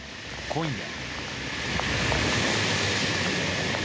今夜。